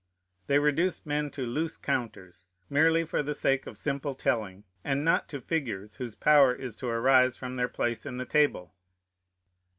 They reduce men to loose counters, merely for the sake of simple telling, and not to figures, whose power is to arise from their place in the table.